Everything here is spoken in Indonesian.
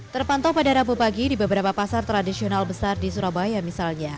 terpantau pada rabu pagi di beberapa pasar tradisional besar di surabaya misalnya